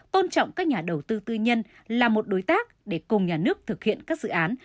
tôn trọng các nhà đầu tư tư nhân là một đối tác để cùng nhà nước thực hiện các dự án